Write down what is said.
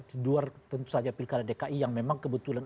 di luar tentu saja pilkada dki yang memang kebetulan